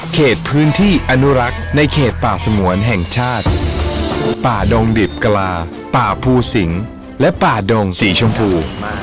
เขตพื้นที่อนุรักษ์ในเขตป่าสงวนแห่งชาติป่าดงดิบกลาป่าภูสิงและป่าดงสีชมพู